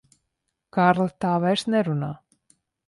Kārli, tā vairs nerunā.